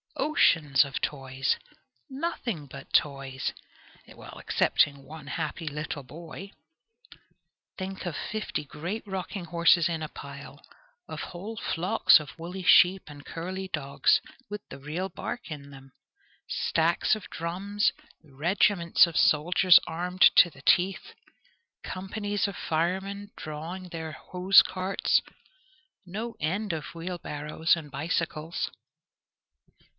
Oceans of toys! Nothing but toys! Excepting one happy little boy! Think of fifty great rocking horses in a pile; of whole flocks of woolly sheep and curly dogs, with the real bark in them; stacks of drums; regiments of soldiers armed to the teeth; companies of firemen drawing their hose carts; no end of wheel barrows and bicycles!